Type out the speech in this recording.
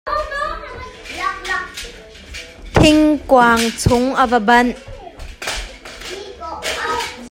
Thingkuang chung a van banh.